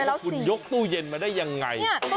ว่าคุณยกตู้เย็นมาได้ยังไง